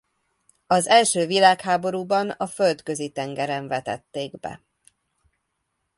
Az első világháborúban a Földközi-tengeren vetették be.